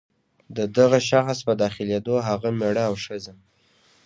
د دغه شخص په داخلېدو هغه مېړه او ښځه.